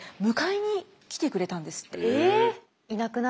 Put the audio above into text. え！